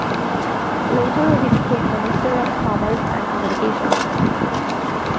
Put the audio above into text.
Later he became minister of commerce and communications.